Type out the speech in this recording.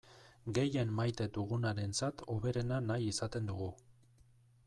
Gehien maite dugunarentzat hoberena nahi izaten dugu.